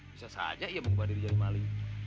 bisa saja ia mengumbar diri jadi mali